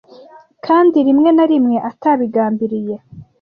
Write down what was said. kandi rimwe na rimwe atabigambiriye